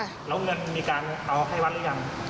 แล้วเงินมีการเอาให้วัดหรือยัง